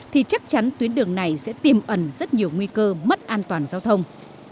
thì chắc chắn tuyến đường này sẽ tiềm ẩn rất nhiều nguy cơ mất an toàn giao thông